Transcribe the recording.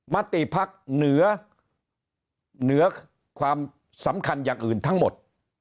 มติภักดิ์เหนือเหนือความสำคัญอย่างอื่นทั้งหมด